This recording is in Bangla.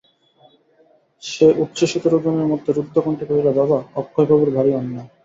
সে উচ্ছ্বসিত রোদনের মধ্যে রুদ্ধকণ্ঠে কহিল, বাবা, অক্ষয়বাবুর ভারি অন্যায়।